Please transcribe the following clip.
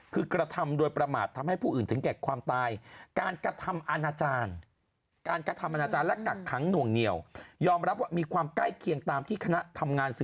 คือกระทำโดยประมาททำให้ผู้อื่นถึงแก่ความตาย